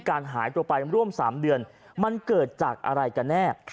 หายตัวไปร่วม๓เดือนมันเกิดจากอะไรกันแน่